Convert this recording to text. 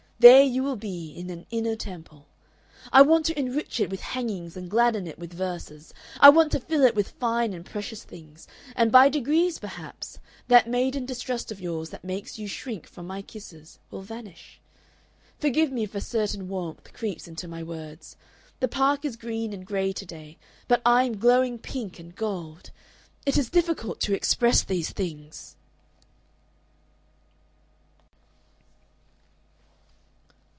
There you will be, in an inner temple. I want to enrich it with hangings and gladden it with verses. I want to fill it with fine and precious things. And by degrees, perhaps, that maiden distrust of yours that makes you shrink from my kisses, will vanish.... Forgive me if a certain warmth creeps into my words! The Park is green and gray to day, but I am glowing pink and gold.... It is difficult to express these things."